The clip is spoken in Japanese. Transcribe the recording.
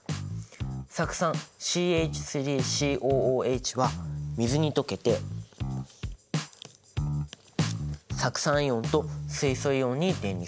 酢酸ＣＨＣＯＯＨは水に溶けて酢酸イオンと水素イオンに電離する。